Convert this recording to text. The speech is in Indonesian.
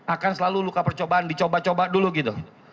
akan selalu luka percobaan dicoba coba dulu gitu